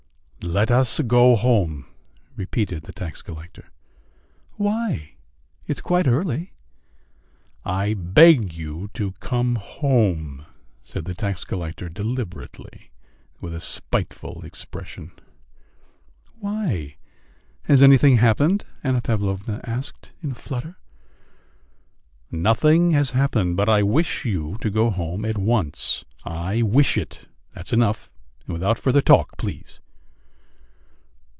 "Let us go home," repeated the tax collector. "Why? It's quite early!" "I beg you to come home!" said the tax collector deliberately, with a spiteful expression. "Why? Has anything happened?" Anna Pavlovna asked in a flutter. "Nothing has happened, but I wish you to go home at once.... I wish it; that's enough, and without further talk, please."